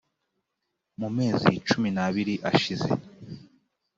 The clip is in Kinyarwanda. mu mezi cumi n abiri ashize